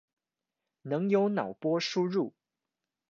能有腦波輸入